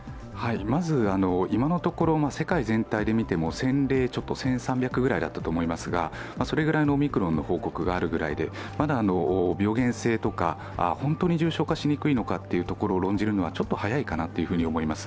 まず今のところ世界全体で見ても先例１３００くらいだと思いますがそれぐらいのオミクロンの報告があるぐらいでまだ病原性とか本当に重症化しにくいのかを論じるのはちょっと早いかなと思います。